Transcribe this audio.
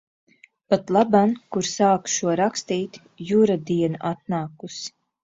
Patlaban, kur sāku šo rakstīt, Jura diena atnākusi.